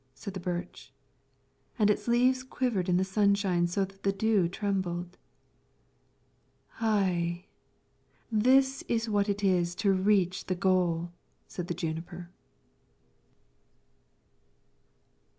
said the birch; and its leaves quivered in the sunshine so that the dew trembled. "Ay, this is what it is to reach the goal!" said the juniper.